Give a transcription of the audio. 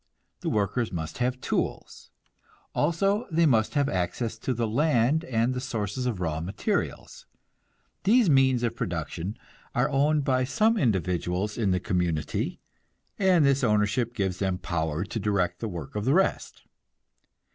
The workers must have tools; also they must have access to the land and the sources of raw materials. These means of production are owned by some individuals in the community, and this ownership gives them power to direct the work of the rest.